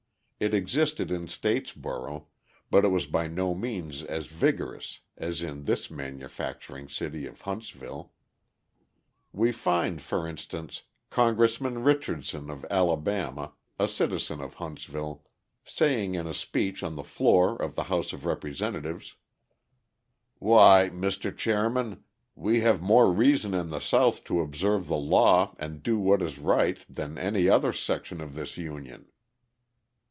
It existed in Statesboro, but it was by no means as vigorous as in this manufacturing city of Huntsville. We find, for instance, Congressman Richardson of Alabama, a citizen of Huntsville, saying in a speech on the floor of the House of Representatives: "Why, Mr. Chairman, we have more reason in the South to observe the law and do what is right than any other section of this Union."